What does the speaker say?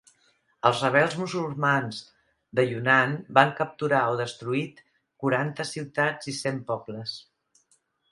Els rebels musulmans de Yunnan van capturar o destruït quaranta ciutats i cent pobles.